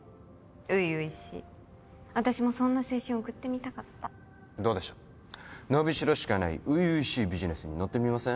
初々しい私もそんな青春送ってみたかったどうでしょう伸びしろしかない初々しいビジネスに乗ってみません？